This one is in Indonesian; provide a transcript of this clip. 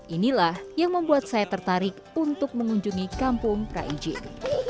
inilah yang membuat saya tertarik untuk mengunjungi kampung praijing